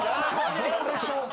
［どうでしょうか？